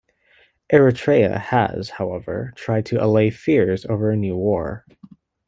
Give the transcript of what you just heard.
Eritrea has, however, tried to allay fears over a new war.